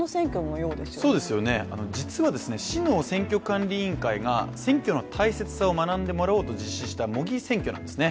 そうですよね、実は市の選挙管理委員会が選挙の大切さを学んでもらおうと実施した模擬選挙なんですね。